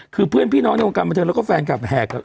คือเพื่อนพี่น้องเนี่ยกลับมาเถิดแล้วก็แฟนกลับแหก